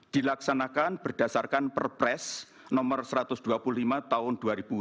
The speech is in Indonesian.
dilaksanakan berdasarkan perpres no satu ratus dua puluh lima tahun dua ribu dua puluh